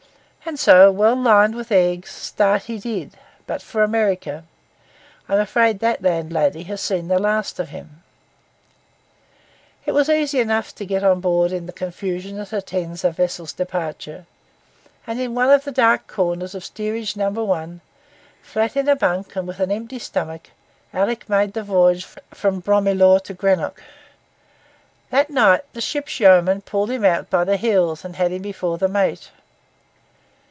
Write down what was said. And so, well lined with eggs, start he did, but for America. I am afraid that landlady has seen the last of him. It was easy enough to get on board in the confusion that attends a vessel's departure; and in one of the dark corners of Steerage No. 1, flat in a bunk and with an empty stomach, Alick made the voyage from the Broomielaw to Greenock. That night, the ship's yeoman pulled him out by the heels and had him before the mate.